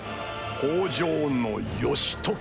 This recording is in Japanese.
北条義時。